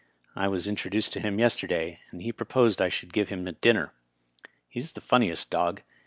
I was introduced to him yester day, and he proposed I should give him a dinner. He's the funniest dog.